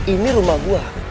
ini rumah gue